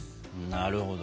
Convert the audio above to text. なるほど。